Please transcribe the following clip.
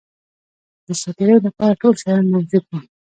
د سات تېري لپاره ټول شیان موجود وه.